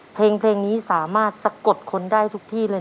เพลงนี้สามารถสะกดคนได้ทุกที่เลย